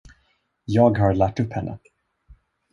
Jag har lärt upp henne.